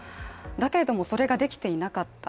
だけれども、それができていなかった。